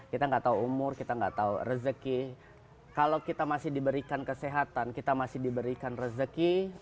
kita nggak tahu umur kita nggak tahu rezeki kalau kita masih diberikan kesehatan kita masih diberikan rezeki